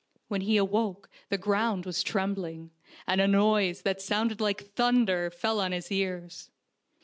When he awoke the ground was trembling, and a noise that sounded like thunder fell on his ears.